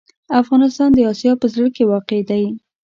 افغانستان د اسیا په زړه کې واقع دی.